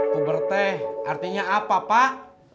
kuber teh artinya apa pak